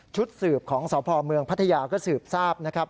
ชุดสืบของสภอเมืองพัทยาก็สืบทราบ